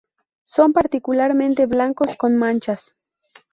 Son particularmente blancos con manchas.